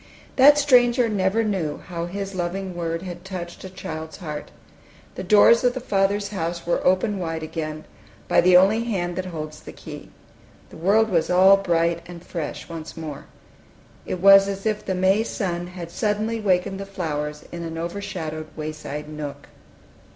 That stranger never knew how his loving word had touched a child's heart. The doors of the Father's house were opened wide again, by the only hand that holds the key. The world was all bright and fresh once more. It was as if the May sun had suddenly wakened the flowers in an overshadowed wayside nook.